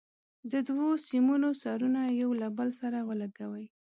د دوو سیمونو سرونه یو له بل سره ولګوئ.